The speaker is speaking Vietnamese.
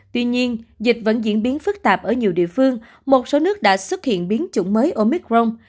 tuy nhiên dịch vẫn diễn biến phức tạp ở nhiều địa phương một số nước đã xuất hiện biến chủng mới ở micron